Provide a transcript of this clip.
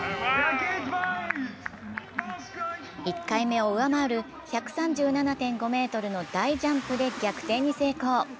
１回目を上回る１３７．５ｍの大ジャンプで逆転に成功。